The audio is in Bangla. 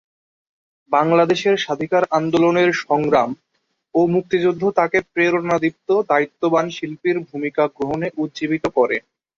বাংলাদেশের স্বাধিকার আন্দোলনের সংগ্রাম ও মুক্তিযুদ্ধ তাঁকে প্রেরণাদীপ্ত দায়িত্ববান শিল্পীর ভূমিকা গ্রহণে উজ্জীবিত করে।